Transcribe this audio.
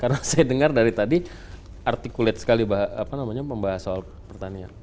karena saya dengar dari tadi artikulat sekali membahas soal pertanian